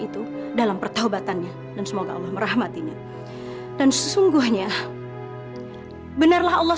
itu dalam pertaubatannya dan semoga allah merahmatinya dan sesungguhnya benarlah allah